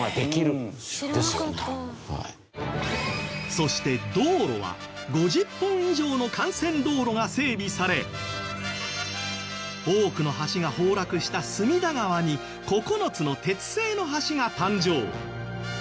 そして道路は５０本以上の幹線道路が整備され多くの橋が崩落した隅田川に９つの鉄製の橋が誕生。